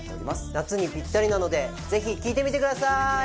夏にぴったりなのでぜひ聴いてみてくださーい！